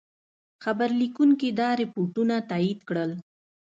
خبرلیکونکي دا رپوټونه تایید کړل.